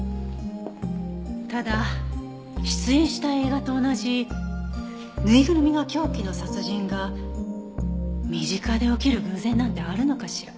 ただ出演した映画と同じぬいぐるみが凶器の殺人が身近で起きる偶然なんてあるのかしら？